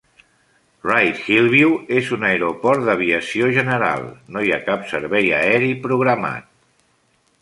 Reid-Hillview és un aeroport d'aviació general; no hi ha cap servei aeri programat.